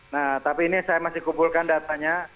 nah tapi ini saya masih kumpulkan datanya